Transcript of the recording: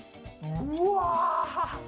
「うわ！